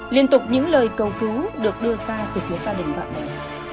liên tục những lời cầu cứu được đưa ra từ phía gia đình bạn bè